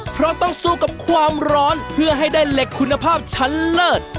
เพราะต้องสู้กับความร้อนเพื่อให้ได้เหล็กคุณภาพชั้นเลิศ